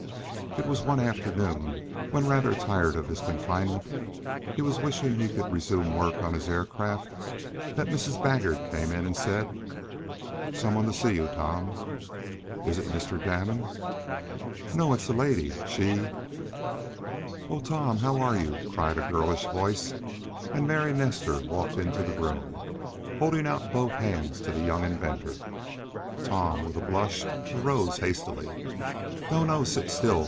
It was one afternoon, when, rather tired of his confinement, he was wishing he could resume work on his air craft, that Mrs. Baggert came in, and said: "Some one to see you, Tom." "Is it Mr. Damon?" "No, it's a lady. She " "Oh, Tom! How are you?" cried a girlish voice, and Mary Nestor walked into the room, holding out both hands to the young inventor. Tom, with a blush, arose hastily. "No! no! Sit still!"